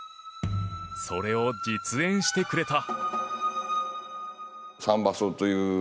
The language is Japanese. それを実演してくれた。